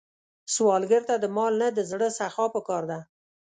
سوالګر ته د مال نه، د زړه سخا پکار ده